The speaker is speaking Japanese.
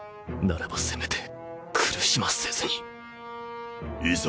ならばせめて苦しませずに